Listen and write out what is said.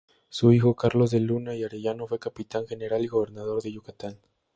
Su hijo Carlos de Luna y Arellano fue capitán general y gobernador de Yucatán.